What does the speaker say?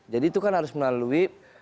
jadi itu kan harus melalui